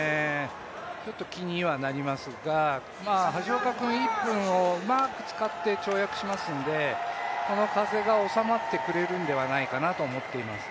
ちょっと気にはなりますが、橋岡君１分をうまく使って跳躍しますので、この風が収まってくれるのではないかと思います。